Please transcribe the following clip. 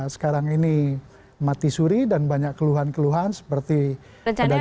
sekarang ini mati suri dan banyak keluhan keluhan seperti pedagang